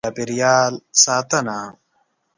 . د چاپېریال ساتنه: